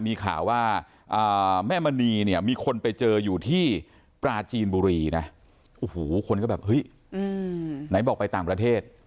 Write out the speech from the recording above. มีข่าวว่าแม่มณีเนี่ยมีคนไปเจออยู่ที่ปราจีนบุรีนะโอ้โหคนก็แบบเฮ้ยไหนบอกไปต่างประเทศ